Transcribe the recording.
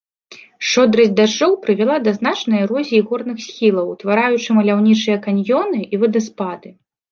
Шчодрасць дажджоў прывяла да значнай эрозіі горных схілаў, утвараючы маляўнічыя каньёны і вадаспады.